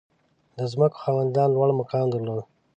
• د ځمکو خاوندان لوړ مقام درلود.